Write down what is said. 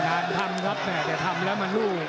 นานทำครับเนอะแต่ทำแล้วมาลูก